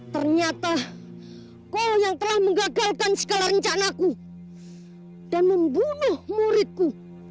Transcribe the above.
ternyata kau yang telah menggagalkan segala rencanaku dan membunuh muridku